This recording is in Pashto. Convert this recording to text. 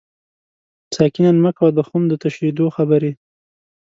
ساقي نن مه کوه د خُم د تشیدو خبري